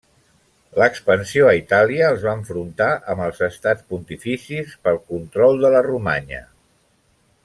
L'expansió a Itàlia els va enfrontar amb els estats pontificis pel control de la Romanya.